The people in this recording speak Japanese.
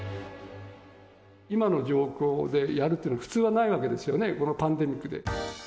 今の状況でやるっていうのは普通はないわけですよね、このパンデミックで。